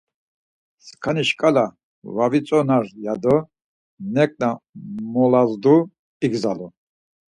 Sǩani şǩala va vitzonar, ya do neǩna molazdu igzalu.